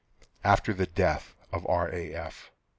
AFTER THE DEATH OF R. A. F.